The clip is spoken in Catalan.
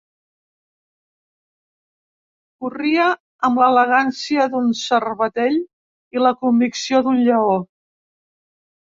Corria amb l’elegància d’un cervatell i la convicció d’un lleó.